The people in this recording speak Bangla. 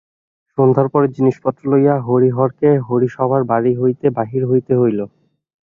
সন্ধ্যার পরে জিনিসপত্র লইয়া হরিহরকে হরিসভার বাড়ি হইতে বাহির হইতে হইল।